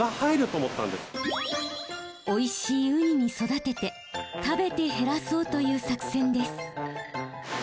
おいしいウニに育てて食べて減らそうという作戦です。